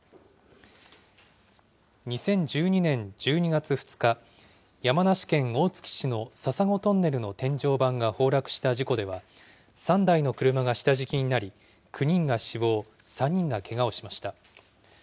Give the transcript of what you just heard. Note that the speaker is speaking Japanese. ２０１２年１２月２日、山梨県大月市の笹子トンネルの天井板が崩落した事故では、３台の車が下敷きになり、９人が死亡、３人がけがをしました。